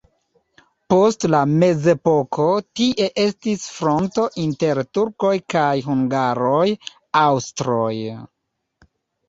Post la mezepoko tie estis fronto inter turkoj kaj hungaroj-aŭstroj.